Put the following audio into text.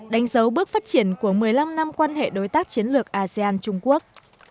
đánh dấu bước phát triển của một mươi năm năm quan hệ đối tác chiến lược asean trung quốc